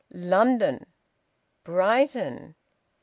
London! Brighton!